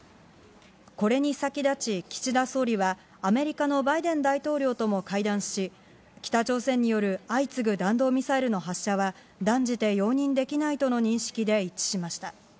これに先立ち、岸田総理は、アメリカのバイデン大統領とも会談し、北朝鮮による相次ぐ弾道ミサイルの発射は、断じて容認できないとの認識で一致しました。